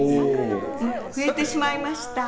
増えてしまいました。